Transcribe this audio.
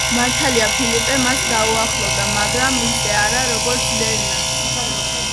მართალია ფილიპე მას დაუახლოვდა, მაგრამ ისე არა, როგორც ლერნას.